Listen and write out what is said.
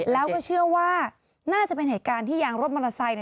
แล้วก็เชื่อว่าน่าจะเป็นเหตุการณ์ที่ยางรถมอเตอร์ไซค์